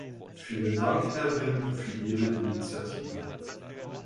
Vielen Dank, Herr Wynn, für Ihre Initiative.